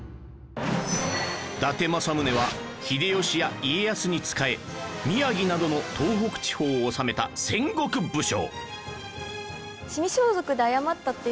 伊達政宗は秀吉や家康に仕え宮城などの東北地方を治めた戦国武将